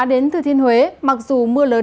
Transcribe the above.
đến từ thiên huế mặc dù mưa lớn